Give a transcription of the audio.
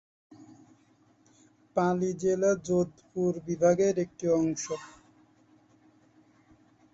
পালি জেলা যোধপুর বিভাগের একটি অংশ।